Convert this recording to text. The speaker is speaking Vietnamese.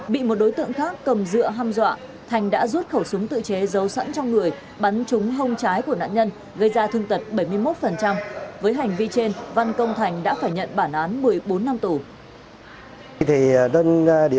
bị một đối tượng khác cầm dựa ham dọa thành đã rút khẩu súng tự chế giấu sẵn trong người